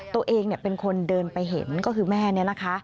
ตัวเองเป็นคนเดินไปเห็นก็คือแม่เนี่ยนะคะ